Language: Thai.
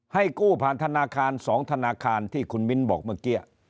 ให้กู้ผ่านธนาคาร๒ธนาคารที่คุณมิ้นบอกเมื่อกี้